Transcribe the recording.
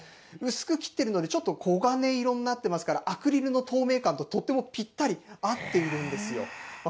薄く切ってるので、ちょっと黄金色になってますから、アクリルの透明感ととってもぴったり合っているんですよ。